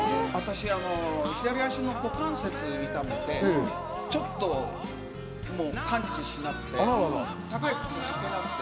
左足の股関節が痛くて、ちょっと完治しなくて、高い靴履けなくて。